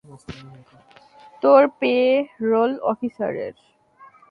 তোর পে-রোল অফিসারের?